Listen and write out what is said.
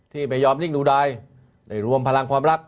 ที่ไม่ยอมนิ่งดูดายได้รวมพลังความรัก